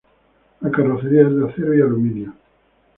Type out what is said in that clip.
La carrocería es de acero y aluminio.